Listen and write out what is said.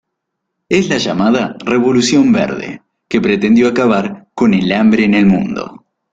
Es la llamada revolución verde, que pretendió acabar con el hambre en el mundo.